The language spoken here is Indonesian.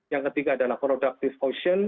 yang ketiga adalah productive question